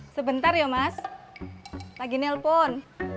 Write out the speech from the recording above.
sebentar ya mas lagi nelpon